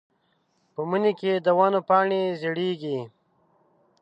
په مني کې د ونو پاڼې رژېږي.